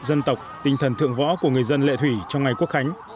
dân tộc tinh thần thượng võ của người dân lệ thủy trong ngày quốc khánh